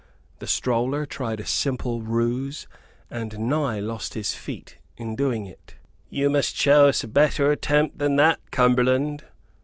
The stroller tried a simple ruse, and nigh lost his feet in doing it. "You must show us a better attempt than that, Cumberland!"